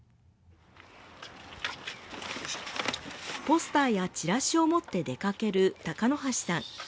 ポスターやチラシを持って出かける鷹箸さん。